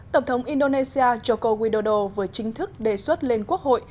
tổng thống indonesia joko widodo vừa chính thức đề xuất lên quốc hội